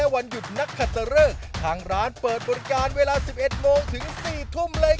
เอา๑๐ลึกเข้าไปให้มันจบไป